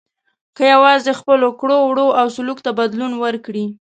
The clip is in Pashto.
که یوازې خپلو کړو وړو او سلوک ته بدلون ورکړي.